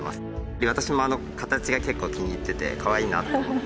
で私もあの形が結構気に入っててかわいいなって思って。